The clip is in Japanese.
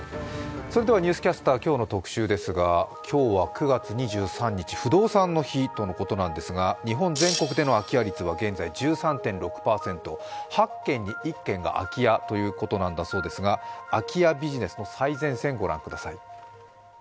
ニュースキャスター今夜の特集ですが今日は９月２３日、不動産の日とのことなんですが、日本全国での空き家率は現在１３．６％８軒に１軒が空き家ということなんですが空き家ビジネスの最前線、ご覧ください。